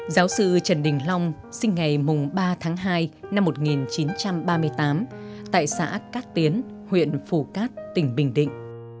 giáo sư trần đình long sinh ngày ba tháng hai năm một nghìn chín trăm ba mươi tám tại xã cát tiến huyện phủ cát tỉnh bình định